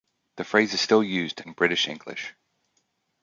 The phrase is still used in British English.